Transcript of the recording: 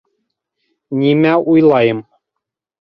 Нимә уйлайым?..